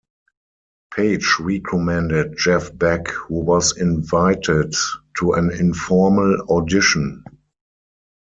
Page recommended Jeff Beck, who was invited to an informal audition.